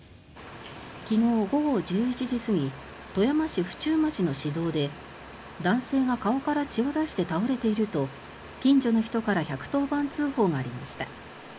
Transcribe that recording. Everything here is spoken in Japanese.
昨日午後１１時過ぎ富山市婦中町の市道で男性が顔から血を出して倒れていると近所の人から１１０番通報がありました。